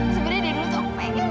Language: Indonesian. sebenernya dari dulu aku pegang